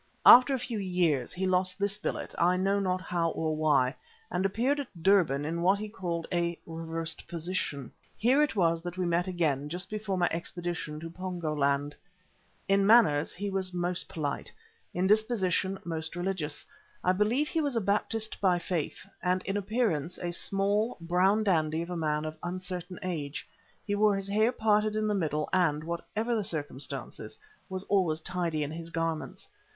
After a few years he lost this billet, I know not how or why, and appeared at Durban in what he called a "reversed position." Here it was that we met again, just before my expedition to Pongo land. In manners he was most polite, in disposition most religious; I believe he was a Baptist by faith, and in appearance a small, brown dandy of a man of uncertain age, who wore his hair parted in the middle and, whatever the circumstances, was always tidy in his garments.